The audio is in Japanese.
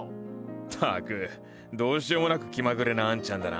ったくどうしようもなく気まぐれなあんちゃんだな。